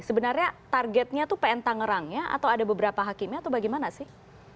sebenarnya targetnya itu pn tangerangnya atau ada beberapa hakimnya atau bagaimana sih